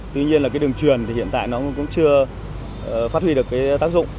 tuy nhiên đường truyền hiện tại cũng chưa phát huy được tác dụng